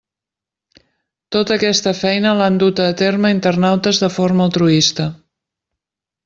Tota aquesta feina l'han duta a terme internautes de forma altruista.